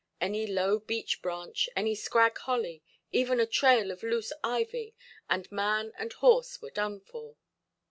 Any low beech branch, any scrag holly, even a trail of loose ivy, and man and horse were done for.